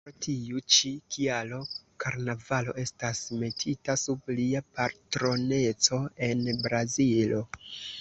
Pro tiu ĉi kialo, karnavalo estas metita sub lia patroneco en Brazilo.